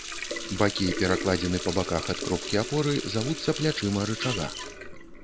Бакі перакладзіны па баках ад кропкі апоры завуцца плячыма рычага.